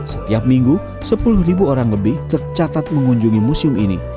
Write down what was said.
setiap minggu sepuluh orang lebih tercatat mengunjungi museum ini